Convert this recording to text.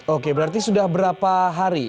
oke berarti sudah berapa hari